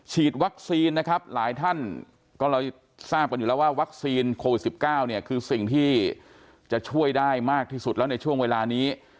ฉีดวัคซีนนะครับหลายท่านก็เราทราบกันอยู่แล้วว่าวัคซีนโควิด๑๙เนี่ยคือสิ่งที่จะช่วยได้มากที่สุดแล้วในช่วงเวลานี้